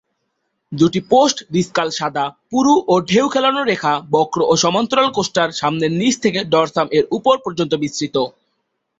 দুটি পোস্ট-ডিসকাল সাদা, পুরু ও ঢেউ খেলানো রেখা বক্র ও সমান্তরালভাবে কোস্টার সামান্য নিচ থেকে ডরসাম-এর উপর পর্যন্ত বিস্তৃত।